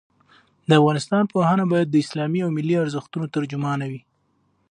د افغانستان پوهنه باید د اسلامي او ملي ارزښتونو ترجمانه وي.